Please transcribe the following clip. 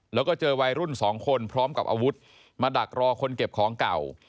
แล้วก็เจอวัยรุ่นสองคนพร้อมกับอาวุธมาดักรอคนเก็บของเก่า